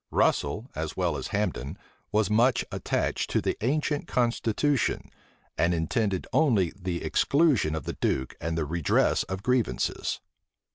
Russel, as well as Hambden, was much attached to the ancient constitution, and intended only the exclusion of the duke and the redress of grievances.